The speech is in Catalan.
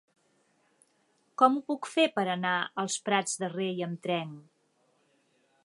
Com ho puc fer per anar als Prats de Rei amb tren?